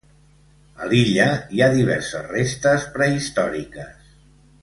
A l'illa hi ha diverses restes prehistòriques.